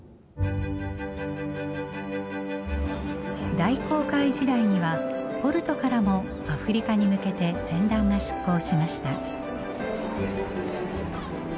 大航海時代にはポルトからもアフリカに向けて船団が出航しました。